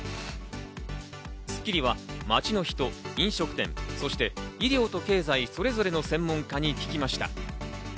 『スッキリ』は街の人、飲食店、そして医療と経済それぞれの専門家に聞きました。